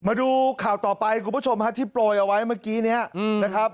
มาดูข่าวต่อไปคุณผู้ชมฮะที่โปรยเอาไว้เมื่อกี้นี้นะครับ